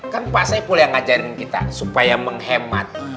kan pak saiful yang ngajarin kita supaya menghemat